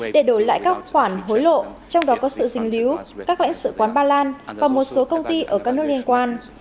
để đổi lại các khoản hối lộ trong đó có sự dình lýu các lãnh sự quán ba lan và một số công ty ở các nước liên quan